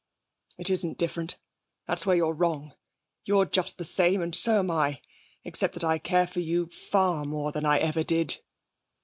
'It isn't different; that's where you're wrong. You're just the same, and so am I. Except that I care for you far more than I ever did.'